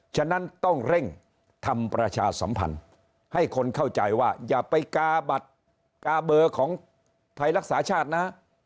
ฉะนั้นต้องเร่งทำประชาสัมพันธ์ให้คนเข้าใจว่าอย่าไปกาบัตรกาเบอร์ของไทยรักษาชาตินะ